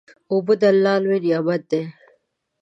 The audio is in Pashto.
اوبه د الله لوی نعمت دی.